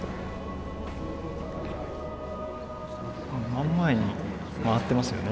真ん前に回ってますよね。